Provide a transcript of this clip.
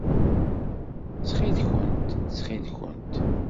Ttxil-kent! Ttxil-kent!